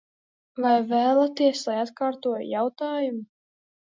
Vai vēlaties, lai atkārtoju jautājumu?